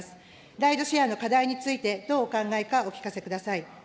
ライドシェアの課題についてどうお考えかお聞かせください。